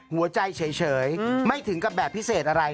หัวใจเฉยไม่ถึงกับแบบพิเศษอะไร